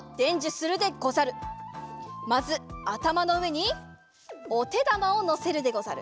まずあたまのうえにおてだまをのせるでござる。